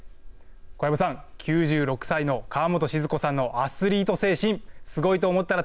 小籔さん、９６歳の川本静子さんのアスリート精神すごいと思ったら